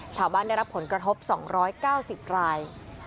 ชาวบ้านได้รับผลกระทบสองร้อยเก้าสิบราย